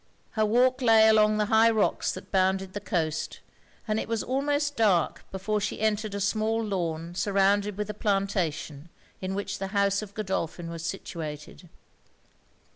Her walk lay along the high rocks that bounded the coast; and it was almost dark before she entered a small lawn surrounded with a plantation, in which the house of Godolphin was situated.